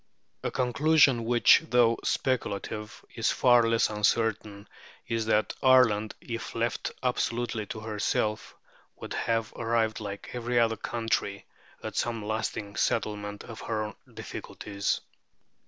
A conclusion which, though speculative, is far less uncertain, is that Ireland, if left absolutely to herself, would have arrived, like every other country, at some lasting settlement of her difficulties" (p.